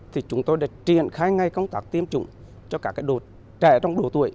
thì chúng tôi đã triển khai ngay công tác tiêm chủng cho các trẻ trong độ tuổi